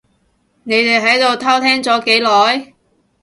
你哋喺度偷聽咗幾耐？